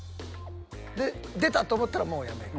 で出たと思ったらもうやめる。